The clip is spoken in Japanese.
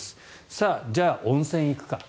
さあ、じゃあ、温泉行くか。